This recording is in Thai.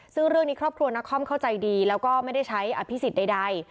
ซึ่งเรื่องนี้ครอบครัวนาคอมเข้าใจดีแล้วก็ไม่ได้ใช้อภิษฎใด